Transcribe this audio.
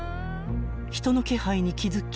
［人の気配に気付き